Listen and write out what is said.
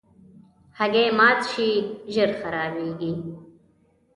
هګۍ مات شي، ژر خرابیږي.